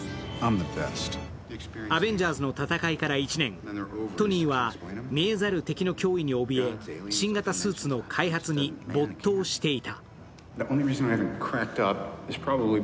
アベンジャーズの戦いから１年、トニーは見えざる敵の脅威におびえ新型スーツの開発に没頭していた。